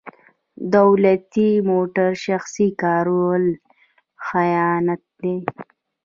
دولتي موټر شخصي کارول خیانت دی.